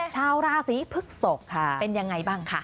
ชาวราศีพฤกษกเป็นยังไงบ้างคะ